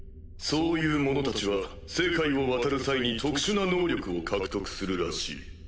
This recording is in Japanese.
そういう者たちは世界を渡る際に特殊な能力を獲得するらしい。